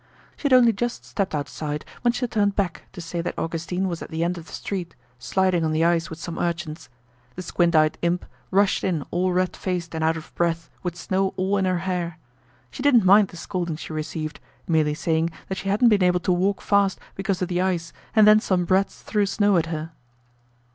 She had only just stepped outside when she turned back to say that Augustine was at the end of the street, sliding on the ice with some urchins. The squint eyed imp rushed in all red faced and out of breath with snow all in her hair. She didn't mind the scolding she received, merely saying that she hadn't been able to walk fast because of the ice and then some brats threw snow at her.